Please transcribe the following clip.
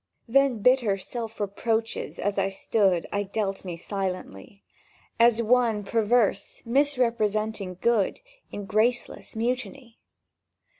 Then bitter self reproaches as I stood I dealt me silently As one perverse—misrepresenting Good In graceless mutiny.